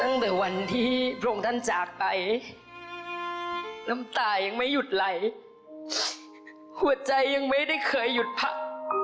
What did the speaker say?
ตั้งแต่วันที่พระองค์ท่านจากไปน้ำตายังไม่หยุดไหลหัวใจยังไม่ได้เคยหยุดพัก